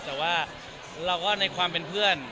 แต่ว่าเราก็ในความเป็นเพื่อน